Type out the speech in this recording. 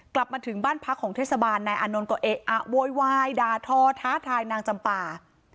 กลับมาถึงบ้านพักของเทศบาลนายอานนท์ก็เอ๊ะอะโวยวายด่าทอท้าทายนางจำปา